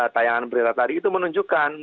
tayangan berita tadi itu menunjukkan